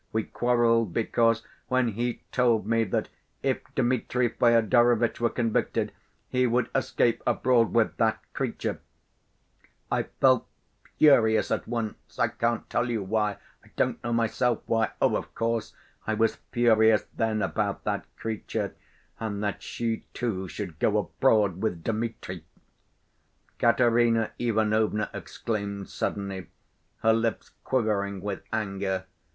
We quarreled because, when he told me that if Dmitri Fyodorovitch were convicted he would escape abroad with that creature, I felt furious at once—I can't tell you why, I don't know myself why.... Oh, of course, I was furious then about that creature, and that she, too, should go abroad with Dmitri!" Katerina Ivanovna exclaimed suddenly, her lips quivering with anger.